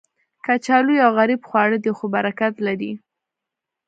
کچالو یو غریب خواړه دی، خو برکت لري